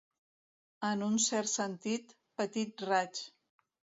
En un cert sentit, petit raig.